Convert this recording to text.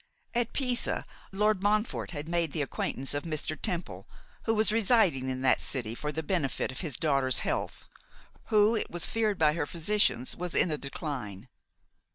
At Pisa, Lord Montfort had made the acquaintance of Mr. Temple, who was residing in that city for the benefit of his daughter's health, who, it was feared by her physicians, was in a decline.